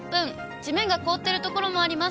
地面が凍っている所もあります。